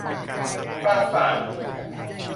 ปราสาทยิ่งใหญ่